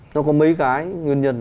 nó có mấy cái nguyên nhân